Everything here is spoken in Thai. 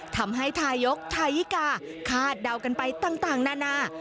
ทายกทายิกาคาดเดากันไปต่างนานา